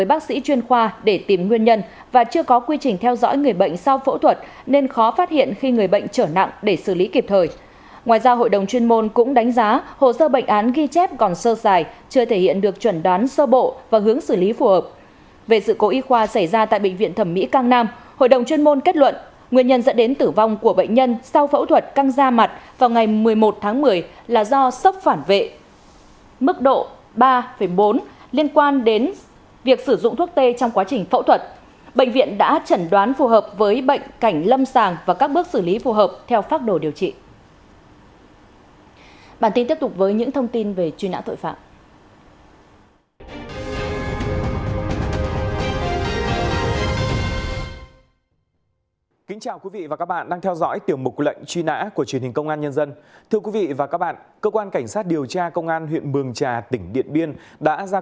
phải nhận quyết định truy nã của cơ quan cảnh sát điều tra công an tp hcm về tội gây dối triệt tự công cộng